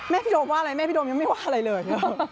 พี่โดมว่าอะไรแม่พี่โดมยังไม่ว่าอะไรเลย